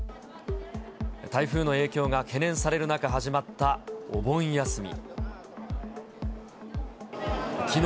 台風の影響が懸念される中、始まったお盆休み。